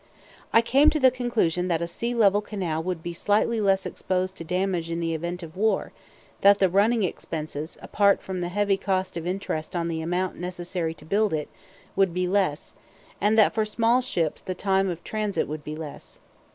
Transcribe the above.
I came to the conclusion that a sea level canal would be slightly less exposed to damage in the event of war; that the running expenses, apart from the heavy cost of interest on the amount necessary to build it, would be less; and that for small ships the time of transit would be less.